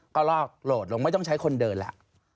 ก็ลอกโหลดลงไม่ต้องใช้คนเดินแล้ว